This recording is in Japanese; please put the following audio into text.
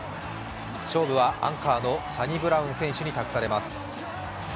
勝負はアンカーのサニブラウン選手に託されます。